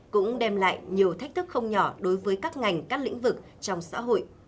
cũng đem lại nhiều thách thức không nhỏ đối với các ngành các lĩnh vực trong xã hội